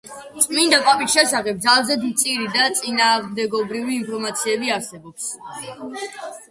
წმინდა პაპის შესახებ ძალზედ მწირი და წინააღმდეგობრივი ინფორმაციები არსებობს.